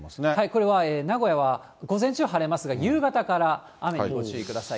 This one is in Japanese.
これは名古屋は午前中、晴れますが夕方から雨にご注意ください。